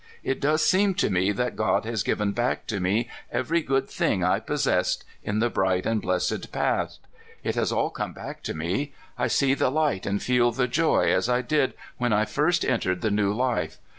It does seem to me that God has given back to me every good thing I possessed in the bright and blessed past. It has all come back to me. I see the light and feel the joy as I did when I first entered the new life.